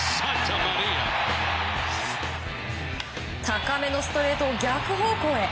高めのストレートを逆方向へ。